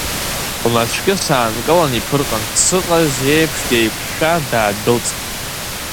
Лнацәкьыс аанкылан иԥырҟан, дсыҟаз еиԥш деиқәшәшәа даадәылҵт.